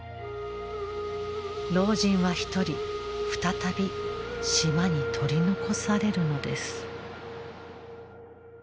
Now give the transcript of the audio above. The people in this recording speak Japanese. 老人は一人再び島に取り残されるのです。